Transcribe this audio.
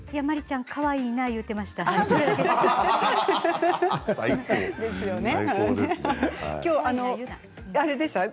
マリちゃん、かわいいなと言っていましたよ。